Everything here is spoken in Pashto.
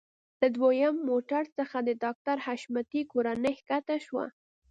له دويم موټر څخه د ډاکټر حشمتي کورنۍ ښکته شوه.